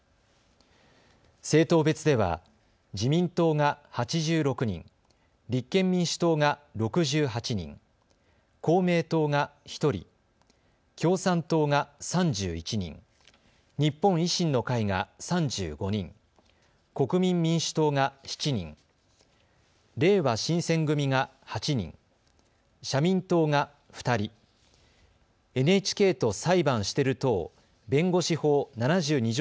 政党別では自民党が８６人、立憲民主党が６８人、公明党が１人、共産党が３１人、日本維新の会が３５人、国民民主党が７人、れいわ新選組が８人、社民党が２人、ＮＨＫと裁判してる党弁護士法７２条